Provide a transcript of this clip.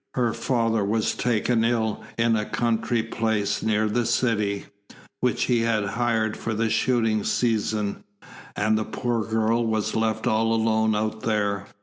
Her father was taken ill in a country place near the city, which he had hired for the shooting season, and the poor girl was left all alone out there.